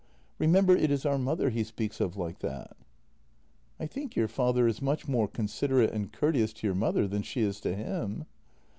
Remember it is our mother he speaks of like that." " I think your father is much more considerate and courteous to your mother than she is to him."